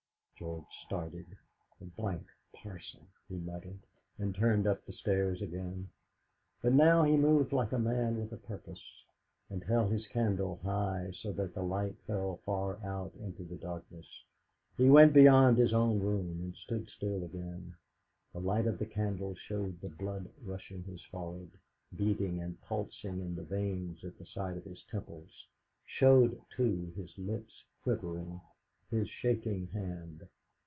George started. "The d d parson!" he muttered, and turned up the stairs again; but now he moved like a man with a purpose, and held his candle high so that the light fell far out into the darkness. He went beyond his own room, and stood still again. The light of the candle showed the blood flushing his forehead, beating and pulsing in the veins at the side of his temples; showed, too, his lips quivering, his shaking hand.